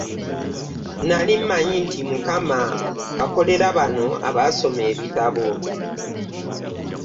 Nali mmanyi nti Mukama akolera bano abasoma ebitabo